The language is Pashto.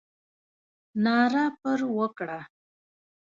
ناره پر وکړه.